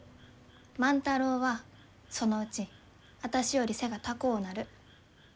万太郎はそのうちあたしより背が高うなる。